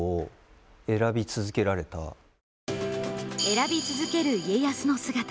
選び続ける家康の姿。